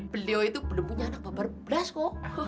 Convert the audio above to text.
beliau itu belum punya anak bapak berbelas kok